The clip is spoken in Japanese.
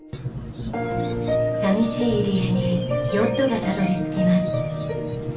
寂しい入り江にヨットがたどり着きます。